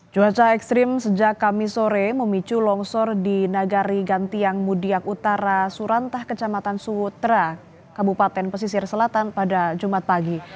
cuaca ekstrim sejak kami sore memicu longsor di nagari gantiang mudiak utara surantah kecamatan suhutra kabupaten pesisir selatan pada jumat pagi